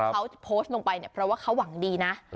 เขาโพสต์ลงไปเนี่ยเพราะว่าเขาหวังดีนะ